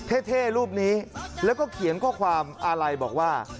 และก็มีการกินยาละลายริ่มเลือดแล้วก็ยาละลายขายมันมาเลยตลอดครับ